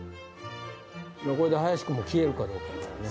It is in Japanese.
これで林くんも消えるかどうかやからね